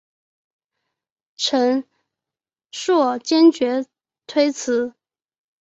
陈顼坚决推辞。